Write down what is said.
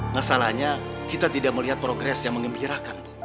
masalahnya kita tidak melihat progres yang mengembirakan